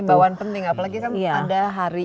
imbauan penting apalagi kan ada hari